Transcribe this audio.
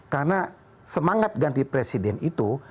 karena semangat ganti presiden itu